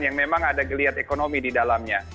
yang memang ada geliat ekonomi di dalamnya